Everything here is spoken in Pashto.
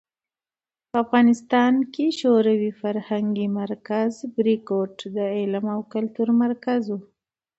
په افغانستان کې شوروي فرهنګي مرکز "بریکوټ" د علم او کلتور مرکز و.